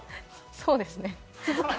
そうですね。